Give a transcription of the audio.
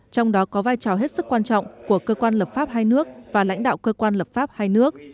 trong đó có vai trò hết sức quan trọng của cơ quan lập pháp hai nước và lãnh đạo cơ quan lập pháp hai nước